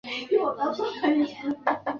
中国地质科学院地质研究所研究员。